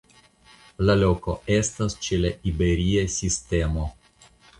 La loko estas ĉe la Iberia Sistemo.